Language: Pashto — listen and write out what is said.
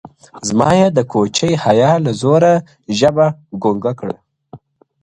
زما یې د کوچۍ حیا له زوره ژبه ګونګه کړه-